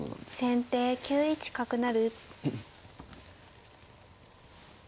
先手９一角成。